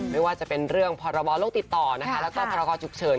ไม่ว่าจะเป็นเรื่องพรบโลกติดต่อนะคะแล้วก็พรกรฉุกเฉิน